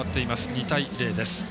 ２対０です。